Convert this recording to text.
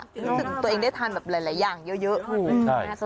รู้สึกตัวเองได้ทานแบบหลายอย่างเยอะถูก